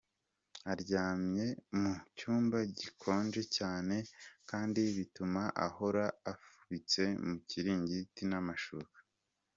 Aryamye mu cyumba gikonje cyane kandi bituma ahora afubitse mu kiringiti n’amashuka.